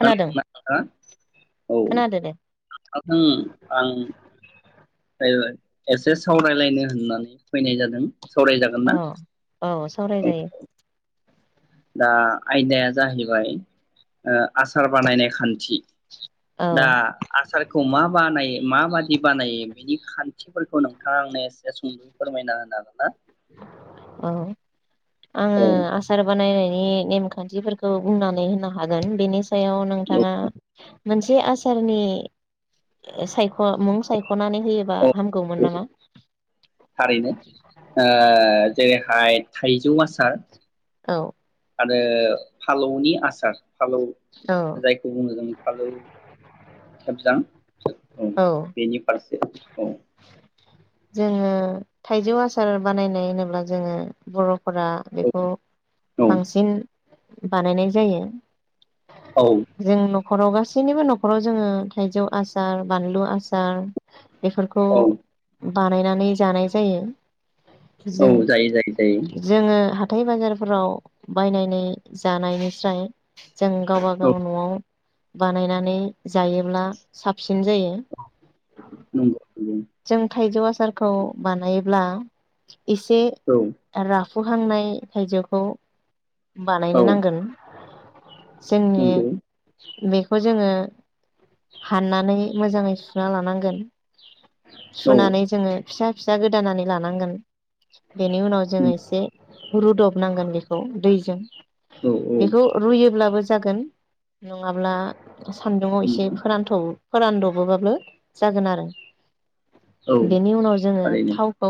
खोनादों औ खोनादो दे आं एसे सावरायलायनो होननानै फैनाय जादों। सावरायजागोन औ ना औ औ सावरायजायो दा आयदाया जाहैबाय ओ आसार बानायनाय खान्थि औ दा आसारखौ मा बानाय माबादि बानायो बिनि खान्थिफोर खौ नोंथाङा आंनो एसे सुंदयै फोरमायना होनो हागोना। औ आंङो औ आसार बानायनाय बेनि नेमखान्थिफोरखौ बुंनानै होनो हागोन बेनि सायाव औ नोंथाङा मोनथि जे आसारनि सायख मुं सायखनानै होयोबा औ हामगौमोन औ नामा? थारैनो ओह ओ जे बेहाय थाइजौ आसार औ आरो फालौ नि आसार फालौ औ जायखौ बुङो जों आलौ खेबजां। औ बेनि फारसे औ। जोङो थाइजौ आसार बानायनाय होनोब्ला जोङो बर' फोरा औ बेखौ औ बांसिन बानायनाय जायो। औ जों न नख'राव गासैनिबो नखराव जोङो थाइजौ आसार बानलु आसार बेफोरखौ औ बानायनानै जानाय जायो। औ जों जायो जायो जायो। जोङो हाथाय बाजारफोराव बायनानै जानायनिस्राय जों औ गावबागाव न'आव बानायनानै जायोब्ला साफ साबसिन जायो। नंगौ। नंगौ जों थाइजौ आसारखौ बानायोब्ला [inaudible] इसे औ रा मोनहांनाय थाइजौखौ औ बानायनो नांगोन। नंगौ जोंनि बे खौ जोङो हाननानै मोजाङै सुना लानांगोन। औ सुनानै जोङो फिसा फिसा गोदानानै लानांगोन। बेनि उनाव जोङो नंगौ एसे रुदबनांगोन बेखौ दैजों। औ औ बेखौ रुयोब्लाबो जागोन नङाब्ला सान्दुङाव एसे नंगौ फोरानथौवो फोरानदबोबाबो जागोन आरो। औ बेनि उनाव जोङो थारैनो थावखौ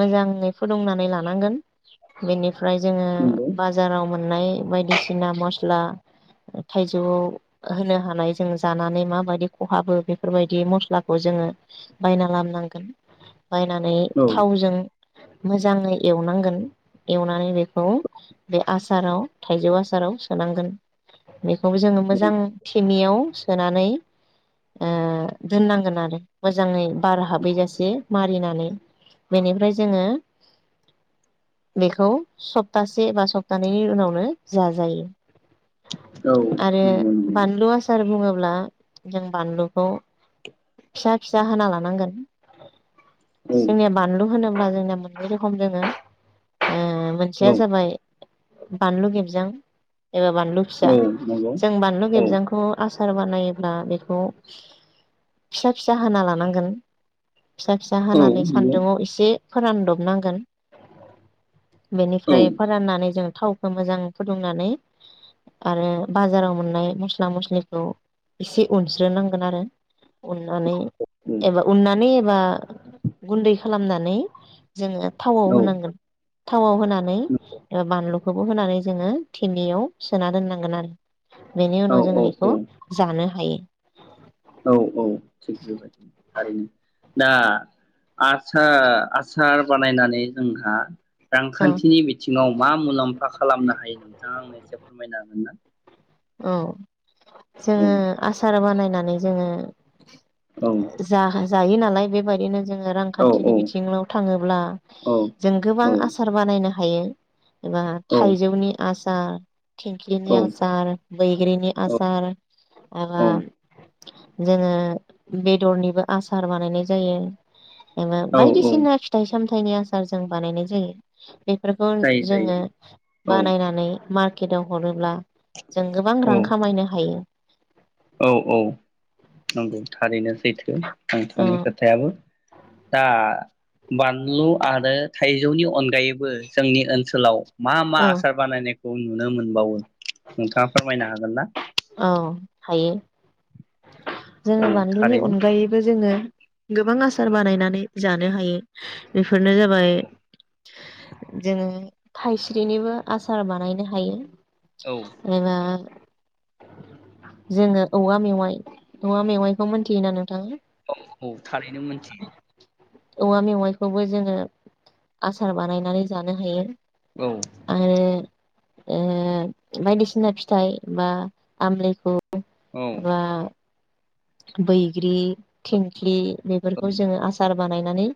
मोजाङै फुदुंनानै लानांगोन। बेनि फ्राय जोङो नंगौ बाजाराव मोन्नाय बायदिसिना मस्ला थाइजौआव होनो हानाय जों जानानै माबायदि खहाबो बेफोरबायदि मस्लाखौ जोङो बायना लाबोनांगोन। बायनानै औ थावजों मोजाङै एवनांगोन एवनानै बेखौ बे आसाराव थाइजौ आसाराव सोनांगोन। बेखौबो जोङो औ मोजां थेमायाव सोनानै ओ दोन्नांगोन आरो। मोजाङै बार हाबैजासे मारिनानै बेनिफ्राय जोङो बेखौ सप्तासे एबा सप्तानैनि उनावनो जाजायो। औ आरो नंगौ नंगौ बानलु आसार बुङो ब्ला जों बानलुखौ [inaudible] फिसा फिसा हाना लानांगोन। जोंनिया बानलु होनोब्ला जोंनिया मोनै रोखोम दोङो। ओ औ मोनसेया जाबाय बानलु गेबजां एबा बानलु फिसा औ नंगौ जों बानलु औ गेबजांखौ आस सार बानायोब्ला बेखौ फिसा फिसा हाना लानांगोन। फिसा फिसा औ नंगौ हानानै औ सान्दुंआव एसे फोरानदब नांगोन बेनिफ्राय फोरान्नानै जों थावखौ मोजां फुदुंनानै आरो बाजाराव मोन्नाय मस्ला मस्लिखौ एसे उनस्रोनांगोन आरो उन नानै औ एबा उननानै एब बा गुन्दै खालामनानै जोङो थावआव औ होनांगोन थावआव होन नानै ओ बानलु बेखौबो होनानै जोङो थिमियाव सोना दोननांगोन आरो। बेनि औ उनाव जों औ इखौ औ जानो हायो। औ औ थिग बेबादिनो थारैनो। दा आसा-आसार बानायनानै जोंहा औ रांखान्थिनि बिथिङाव मा मुलाम्फा खालामनो हायो नोंथाङा आंनो एसे फोरमायनो हागोन ना? उ। औ जोङो आसार बानाय नानै जोङो औ [unintelligible] जायो नालाय बेबायदिनो जोङो रांखान्थिनि औ बिथिङाव थाङोब्ला औ जों गोबां औ आसार बानायनो हायो। एबा औ थाइजौनि आस सार थिंक्लिनि आसार बैग्रिनि आसार एबा औ जोङो बेदरनिबो आसार बानायनाय जायो। एबा औ औ बायदिसिना फिथाइ सामथा फिथाइनि आसार जों बानायनाय जायो। बेफोरखौ जायो जायो जोङो औ बानायनानै मारक केटआव हरोब्ला जों गोबां रां खामायनो हायो। औ औ नंगौ थारैनो सैथो। थो औ नोथांनि खोथायाबो दा बानलु आरो थाइजौनि अनगायैबो जोंनि ओनसोलाव मा मा औ आसार बानायनाय खौ नुनो मोनबावो? नोंथाङा फोरमायनो हागोन ना? औ हायो। जोङो औ बानलुनि थारैनो अनगायैबो जोङो गोबां आसार बानायनानै जानो हायो बे फोरनो जाबाय जोङो थाइस्रिनिबो आसार बानायनो हायो। औ एबा जोङो औवा मेवाइ औवा मेवाइखौ मोनथियोना नोंथाङा? औ थारैनो मोनथियो औवा मेवाइखौबो जोङो आसार बानायनानै जानो हायो। औ आरो ओ बायदिसिना फिथाइ बा आमलायखौ, रा बैग्रि, औ थिंख्लि औ बेफोरखौ जोङो आसार, बानायनानै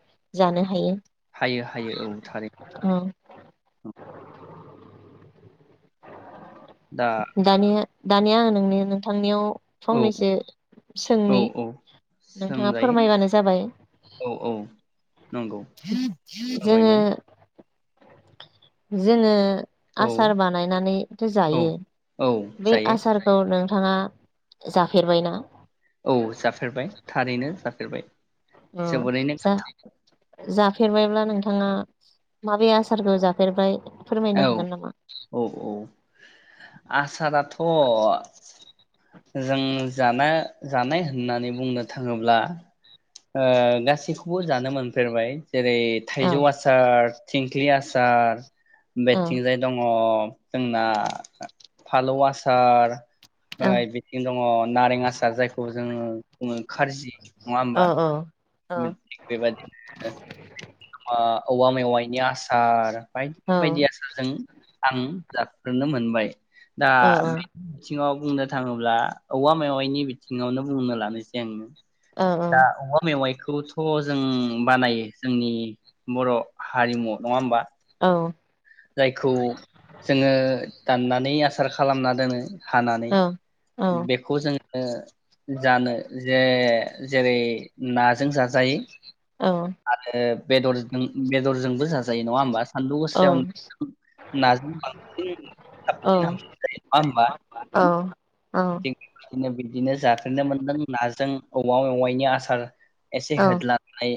जानो हायो। हायो हायो औ थारै, औ दा दानिया दानिया आं नोंनि नोंथांनियाव, औ फंनैसो औ सोंनि औ नोंथाङा सोंजायो फोरमायबानो जाबाय औ औ नंगौ जोङो फोरमायगोन जोङो औ आसार बानायनानैथो औ जायो औ बे जायो आसारखौ नों, नोंथाङा जाफेरबायना? औ जाफेरबाय थारैनो जाफेरबाय ओ जोबोरैनो जा जाफेरबायब्ला नोंथाङा माबे आसारखौ जाफेरबाय, फोरमायनो गोथाव हागोन नामा? आसारा थ' जों जाना जानाय होननानै बुंनो थाङोब्ला ओ गासैखौबो जानो मोनफेरबाय जेरै औ थाइजौ आसार थिंख्लि आसार, औ बेथिंजाय दङ, जोंना फालौ आसार, औ ओराय बिथिं दङ नारें आसार जायखौ जोङो, बुङो खारजि, नङा औ होमबा औ बेबादिनो मा औवा मेवाइनि आसार, औ बायदि बायदि आसारजों आं जाफेरनो मोनबाय, दा औ बिथिङाव बुंनो थाङोब्ला औवा मेवाइनि बिथिङावनो बुंनो लानोसै आङो। औ दा औ औवा मेवाखौ खौथ जों बानायो जोंनि बर हारिमु नङा होमबा? औ। जायखौ जोङो दाननानै आसार खालामना दोनो हानानै औ औ बेखौ जों ओ जानो जे जेरै नाजों जाजायो। आरो बेदरजों बेदरजोंबो जा जायो नङा होमबा? सान्दु गोसायाव औ नाजों बांसिन साबसिन हामसिन जायो नङा होनबा नोंथां? औ दिनो जाफेनो मोनदों नाजों औवा मेवाइनि आसार। एसे औ होदल्लानाय।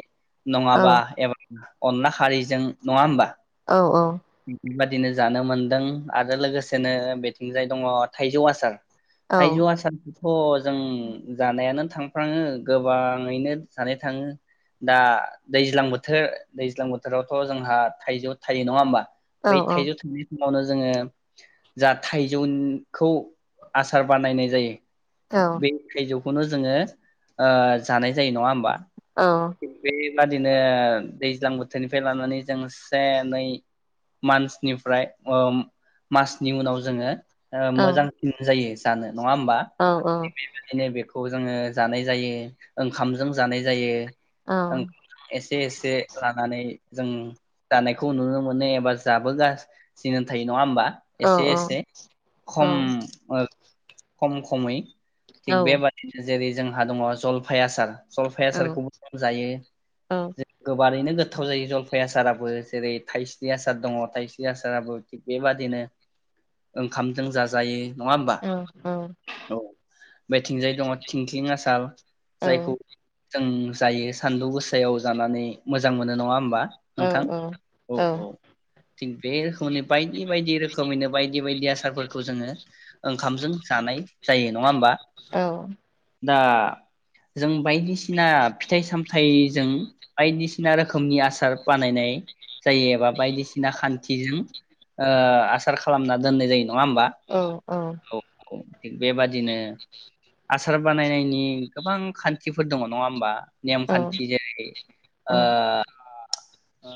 औ नङाबा एबा अनला खारैजों नङा होमबा? औ औ औ। [unintelligible] दिनो जानो मोनदों आरो लोगोसेनो बेथिंजाय दङ थाइजौ आसार। थाइजौ आसारखौथ जों जानायानो थांफ्राङो गोबाङैनो जानो थाङो दा दैज्लां बोथोर दैज्लां बोथोरावथ जोंहा थाइजौ थाइयो नङा होमबा? बै थायजौ [unintelligible] नआवनो जोङो जा थाइजौखौ आसार बानायनाय जायो। बे थायजौ खौनो जोङो ओ जानाय जायो नङा होमबा? औ। [unintelligible] दिनो दैज्लां बोथोरनिफ्राय लानानै जों से नै मान्चनिफ्राय ओम मासनि उनाव जोङो ओ मोजांसिन जायोस दानो नङा ओमबा [unintelligible] खौ जोङो जानाय जायो ओंखामजों जानाय जायो। ओं एसे एसे लानानै। जों जानायखौ नुनो मोनो एबा जाबोगासिनो थायो नङा ओमबा? एसे एसे खम ओ खम खमै। थि बे बादिनो जों जेरै जोंहा दङ जलफाय‌ आसार जलफाय आसारखौबो दायो [unintelligible] बारैनो गोथाव जायो जलफाय आसाराबो जेरै थाइस्रि आसार दङ थाइस्रि आसाराबो थिग बेबादिनो ओंखामजों जाजायो नङा होमबा ओ औ औ बेथिंजाय दङ थिंख्लिं आसार जायखौब जों जायो सान्दुं गोसायाव जानानै मोजां मोनो नङा ओमबा? औ औ औ थिग बे खनि बायदि बायदि रोखोमैनो बायदि बायदि आसारफोरखौ जोङो ओंखामजों जानाय जायो नङा होमबा? दा जों बायदिसिना फिथाइ सामथाइजों बायदिसिना रोखोमनि आसार बानायनाय जायो एबा बायदिसिना खान्थिजों आसार खालामना दोननाय जायो नङा होमबा औ थिग बेबादिनो आसार बानायनायनि गोबां खान्थिफोर दङ नङा होमबा? औ नेमखान्थि जेरै ओ औ ओ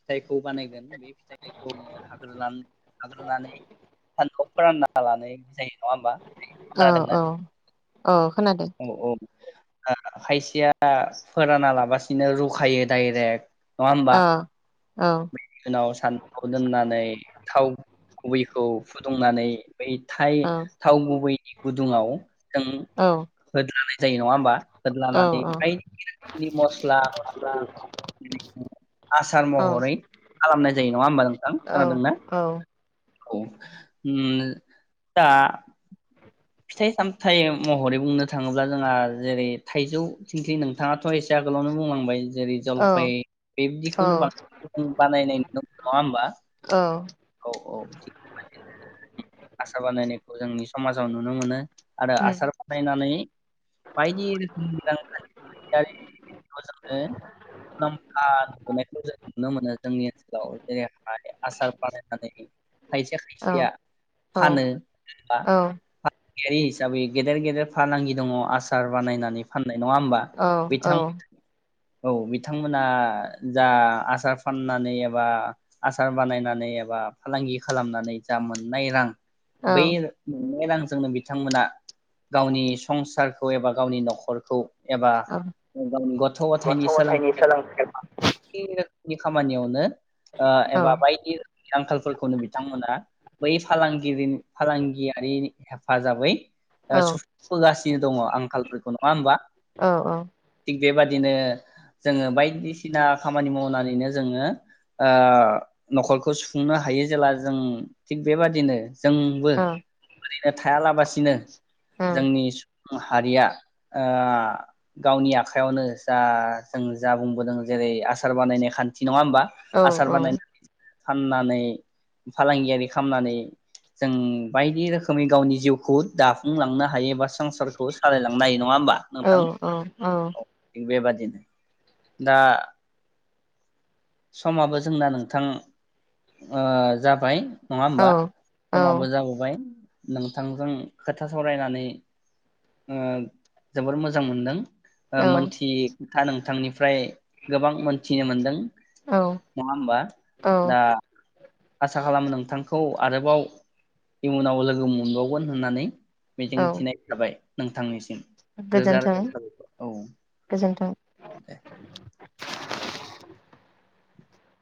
फिथाइखौ बानायगोन बे [unintelligible] लाग्रोनानै सान्दुंआव फोरानना लानाय जायो नङा होमबा? औ खोनादोंना औ औ खोनादों। औ औ खायसेया फोराना लाबसिनो रुखायो दडायरेक्ट नङा औ ओमबा? औ उनाव सान्दुंव दोननानै थाव गुबैखौ फुदुंनानै बै थ औ थाव गुबैनि गुदुङाव जों औ होद्लानाय जायो नङा होमबा औ होद्लानानै बायदि रोखोमनि मस्ला फालौ आसार महरै खालामनाय जायो नङा होमबा नोंथां खोनादोंना औ औ उ नो दा फिथाइ सामथायाइ महरै बुंनो थाङोब्ला जोंहा जेरै थाइजौ थिंख्लि नोंथाङाथ एसे आगोलावनो बुंलांबाय जेरै जलफाय बेबदिखौनो औ औ बांसिन बानाय नङा होमबा औ औ आसा बानायनायखौ जोंनि समाज मोाव नुनो मोनो आरो उम आसार बानायनानै बायदि रोखोमनि मोजां जो मुलाम्फा नोनायखौ जों नुनो मोनो जोंनि ओनसोलाव जेरैहाय आसार बानायनानै खायसे औ खायसेया औ फानो जेनबा औ फय हिसाबै गेदेर -गेदेर फालांगि दङ आसार बानायनानै फान नाय नङा होमबा बिथांमोन। औ बिथांमोना जा आसार फाननानै एबा आसार बानायनानै एबा फालांगि खालामनानै जा मोननाय रां। बै। रांजोंनो बिथांमोना गावनि संसारखौ एबा गावनि न'खरखौ एबा औ गावनि गथ' गथायनि सोलोंथाइ नि खामानियावनो। ओ औ एबा बायदि आंखालफोरखौनो बिथांमोना। बै फालांगिरिनि फालांगिया। हेफाजाबै। औ सुफुंबोगासिनो दङ आंखालफोरखौ नङा होमबा औ औ बेबादिनो जोङो बायदिसिना खामानि मावनानैनो जोङो ओ न'खरखौ सुफुंनो हायो जेब्ला जों थिग बेबादिनो जोंबो औ ओरैनो थायालासिनो। जोंनि सु हारिया ओ गावनि आखयावनो जा जों जा बुंबोदों जेरै आसार बानायनाय खान्थि नङा होमबा औ आसार औ बानायनानै फाननानै फालांगियारि खालामनानै जों बायदि रोखोम गावनि जिउखौ दाफुंलांनो हायोबास संसारखौ सालायलांनो हायो नङा हबा औ नोंथां औ औ बेबादि बिदिनो दा समाबो जोंना नोंथां ओ जाबाय। नङा होमबा औ समाबो जाबोबाय। नोंथांजों खोथा सावरायनानै ओ जोबोर मोजां मोनदों ओ औ मोनथि खोथा नोंथांनिफ्राय गोबां मोनथिनो मोनदों- औ नङा होनबा दा। आसा खालामो नोंथांखौ आरोबाव इयुनाव लोगो मोनबावगोन होननानै। मिजिं औ थिनाय जाबाय। नोंथांनिसिम। रोजा गोजोन्थों रोज साबायखर औ गोजोन्थों दे।